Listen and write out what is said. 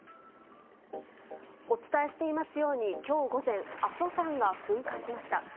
お伝えしていますように、きょう午前、阿蘇山が噴火しました。